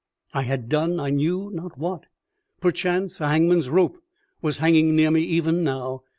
I had done I knew not what. Perchance a hangman's rope was hanging near me even now.